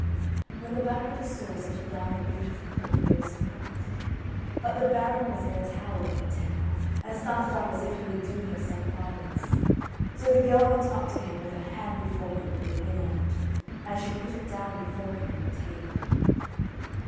When the banqueters saw such a young and beautiful cook they were surprised. But the Baron was in a tower of a temper, and started up as if he would do her some violence. So the girl went up to him with her hand before her with the ring on it; and she put it down before him on the table.